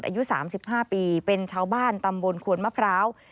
อายุ๓๕ปีเป็นชาวบ้านตำบลขวนมะพร้าว